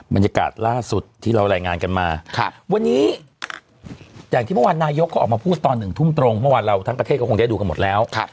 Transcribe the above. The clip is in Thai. บรรยากาศล่าสุดที่เรารายงานกันมาวันนี้อย่างที่เมื่อวานนายกก็ออกมาพูดตอน๑ทุ่มตรงเมื่อวานเราทั้งประเทศก็คงได้ดูกันหมดแล้ว